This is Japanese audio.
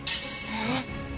えっ？